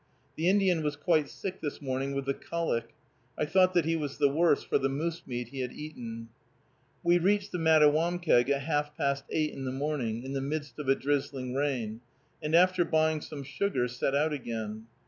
The Indian was quite sick this morning with the colic. I thought that he was the worse for the moose meat he had eaten. We reached the Mattawamkeag at half past eight in the morning, in the midst of a drizzling rain, and, after buying some sugar, set out again.